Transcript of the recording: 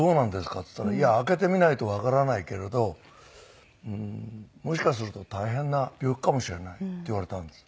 っつったらいや開けてみないとわからないけれどもしかすると大変な病気かもしれないって言われたんですよ。